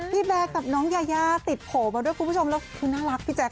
แบร์กับน้องยายาติดโผล่มาด้วยคุณผู้ชมแล้วคือน่ารักพี่แจ๊